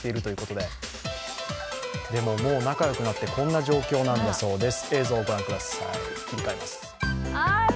でも、もう仲良くなってこんな状況なんだそうです。